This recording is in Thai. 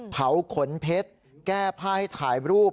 ขนเพชรแก้ผ้าให้ถ่ายรูป